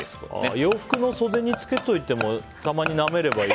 洋服の袖につけておいてもたまになめればいい。